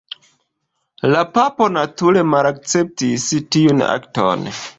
La papo nature malakceptis tiun akton.